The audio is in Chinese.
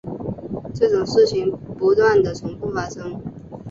这种事件不断地重覆发生。